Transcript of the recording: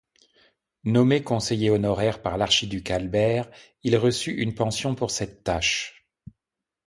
Nommé conseiller honoraire par l'archiduc Albert, il reçut une pension pour cette tâche.